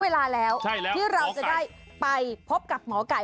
เวลาแล้วที่เราจะได้ไปพบกับหมอไก่